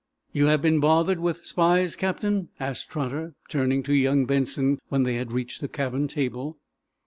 "You have, been bothered with spies, Captain?" asked Trotter, turning to young Benson, when they had reached the cabin table.